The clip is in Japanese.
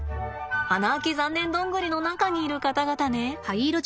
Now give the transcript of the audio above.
穴開き残念どんぐりの中にいる方々ね。